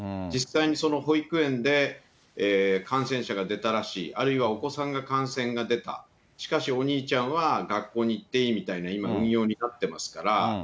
実際に保育園で感染者が出たらしい、あるいはお子さんが感染が出た、しかしお兄ちゃんは学校に行っていいみたいな、今、運用になってますから。